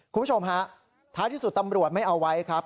คุณผู้ชมฮะท้ายที่สุดตำรวจไม่เอาไว้ครับ